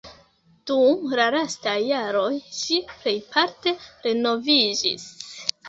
Dum la lastaj jaroj ĝi plejparte renoviĝis.